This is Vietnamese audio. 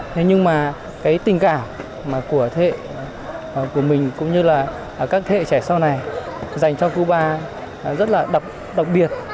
thế nhưng mà cái tình cảm của thế của mình cũng như là các thế hệ trẻ sau này dành cho cuba rất là đặc biệt